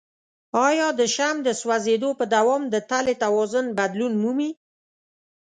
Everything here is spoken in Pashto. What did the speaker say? آیا د شمع د سوځیدو په دوام د تلې توازن بدلون مومي؟